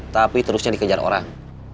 tapi terusnya dikejar orang